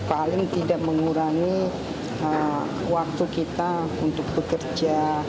paling tidak mengurangi waktu kita untuk bekerja